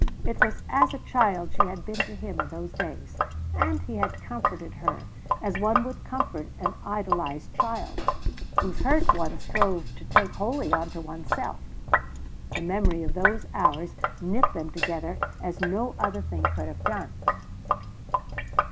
It was as a child she had been to him in those days, and he had comforted her as one would comfort an idolised child, whose hurt one strove to take wholly unto one's self. The memory of those hours knit them together as no other thing could have done.